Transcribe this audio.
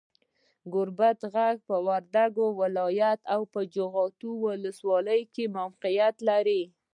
ګوربت غر، په وردګو ولایت، جغتو ولسوالۍ کې موقیعت لري.